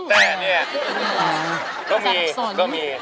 แต่เนี่ยก็มีก็มี